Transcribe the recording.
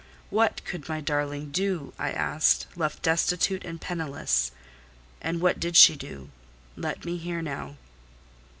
What could my darling do, I asked, left destitute and penniless? And what did she do? Let me hear now."